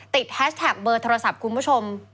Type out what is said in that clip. แฮชแท็กเบอร์โทรศัพท์คุณผู้ชม